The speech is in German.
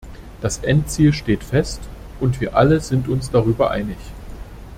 Das Endziel steht fest und wir alle sind uns darüber einig.